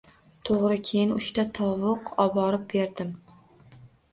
To‘g‘ri, keyin uchta tovuq oborib berdim.